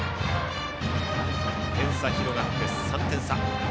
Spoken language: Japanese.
点差広がって３点差。